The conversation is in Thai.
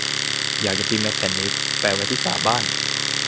อยากจะพิมพ์ไอ้แผ่นนี้แปะไว้ที่ฝาบ้าน !